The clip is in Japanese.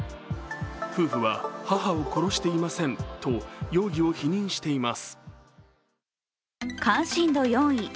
夫婦は母を殺していませんと容疑を否認しています。